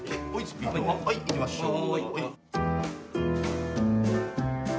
はいいきましょう。